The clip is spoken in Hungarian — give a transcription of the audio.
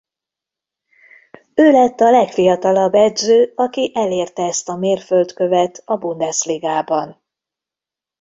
Ő lett a legfiatalabb edző aki elérte ezt a mérföldkövet a Bundesligában.